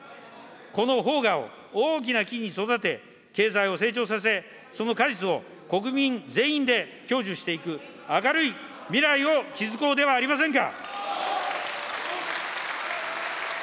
このほう芽を大きな木に育て、経済を成長させ、その果実を国民全員で享受していく、明るい未来を築こうではありませんか。